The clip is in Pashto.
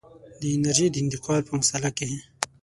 د انرژۍ د انتقال په مسأله کې.